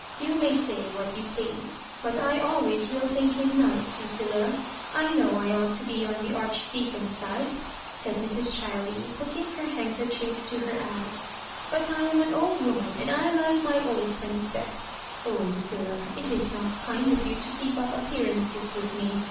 You may say what you please, but I always will think him nice, Lucilla. I know I ought to be on the Archdea con's side," said Mrs. Chiley, putting her hand> kerchief to her eyes; " but I am an old woman, and I like my old friends best Oh, Lucilla, it is not kind of you to keep up appearances with me.